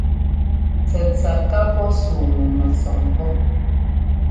Tsɛtsa ka pɔ́ sú ŋu mɛsɔn pɔ́.